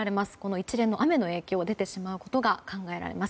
一連の雨の影響が出てしまうことが考えられます。